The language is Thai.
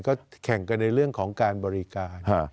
ก็แข่งกันในเรื่องของการบริการ